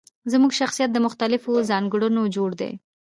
زموږ شخصيت له مختلفو ځانګړنو جوړ دی.